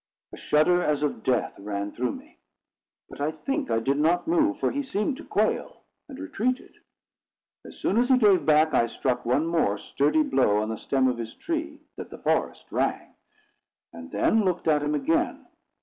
A shudder as of death ran through me; but I think I did not move, for he seemed to quail, and retreated. As soon as he gave back, I struck one more sturdy blow on the stem of his tree, that the forest rang; and then looked at him again.